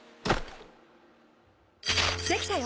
できたよ！